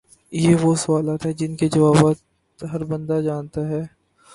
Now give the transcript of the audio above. یہ وہ سوالات ہیں جن کے جوابات ہر بندہ جانتا ہے